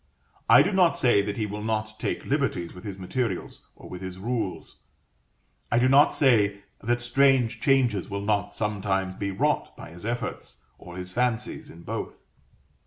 I do not say that he will not take liberties with his materials, or with his rules: I do not say that strange changes will not sometimes be wrought by his efforts, or his fancies, in both.